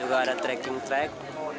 juga ada trekking track